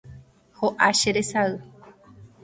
ho'a che resay